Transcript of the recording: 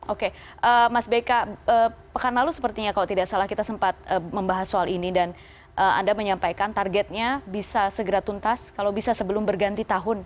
oke mas beka pekan lalu sepertinya kalau tidak salah kita sempat membahas soal ini dan anda menyampaikan targetnya bisa segera tuntas kalau bisa sebelum berganti tahun